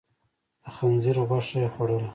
د خنزير غوښه يې خوړله؟